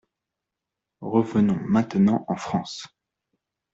Revenons maintenant en France.